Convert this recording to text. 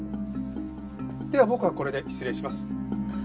では僕はこれで失礼します。